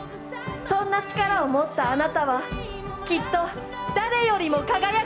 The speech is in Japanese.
そんな力を持ったあなたはきっと誰よりも輝く。